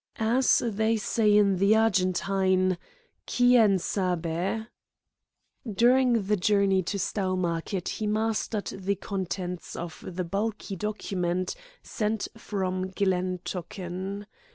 As they say in the Argentine Quien sabe?" During the journey to Stowmarket he mastered the contents of the bulky document sent from Glen Tochan.